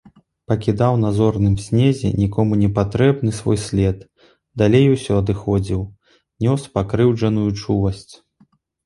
Пакідаў на зорным снезе нікому непатрэбны свой след, далей усё адыходзіў, нёс пакрыўджаную чуласць.